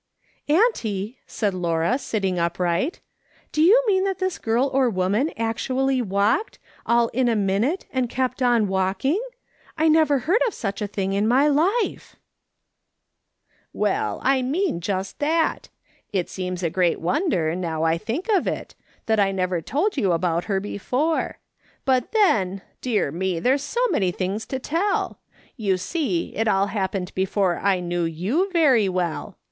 '"" Auntie," said Laura, sitting upright, " do you mean that this girl or woman actually walked, all in a minute, and kept on walking ! I never heard of such a thing in my life !"" Well, I mean just that. It seems a great wonder, now I think of it, that I never told you about her before ; but, then, dear me ! there's so many things to tell ; you see, it all happened before I knew you very well.